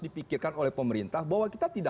dipikirkan oleh pemerintah bahwa kita tidak